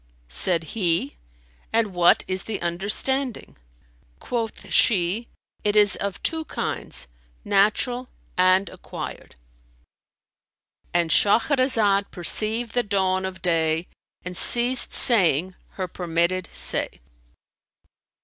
Said he, "And what is the understanding?" Quoth she, "It is of two kinds, natural and acquired."—And Shahrazad perceived the dawn of day and ceased saying her permitted say.